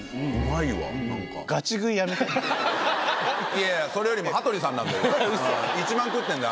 いやいやそれよりも羽鳥さんなんだけど。